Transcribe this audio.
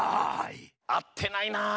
あってないなあ。